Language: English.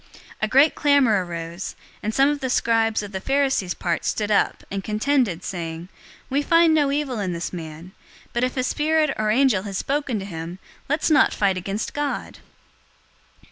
023:009 A great clamor arose, and some of the scribes of the Pharisees part stood up, and contended, saying, "We find no evil in this man. But if a spirit or angel has spoken to him, let's not fight against God!"